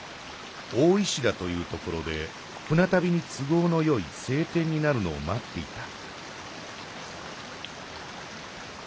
大石田というところで船旅につ合のよい晴天になるのを待っていた」。